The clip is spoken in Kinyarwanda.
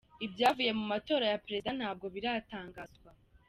Ibyavuye mu matora ya perezida ntabwo biratangazwa.